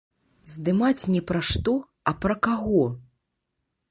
Здымаць не пра што, а пра каго.